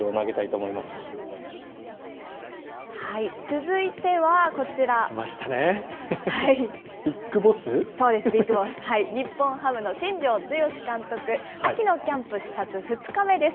そうです、ビッグボス、日本ハムの新庄剛志監督、秋のキャンプ視察２日目です。